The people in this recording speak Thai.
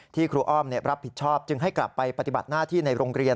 ครูอ้อมรับผิดชอบจึงให้กลับไปปฏิบัติหน้าที่ในโรงเรียน